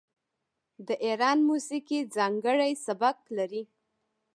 د ایران موسیقي ځانګړی سبک لري.